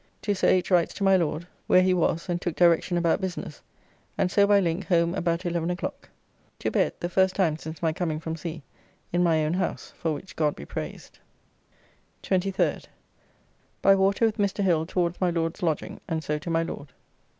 To Sir H. Wright's to my Lord, where he, was, and took direction about business, and so by link home about 11 o'clock. To bed, the first time since my coming from sea, in my own house, for which God be praised. 23d. By water with Mr. Hill towards my Lord's lodging and so to my Lord.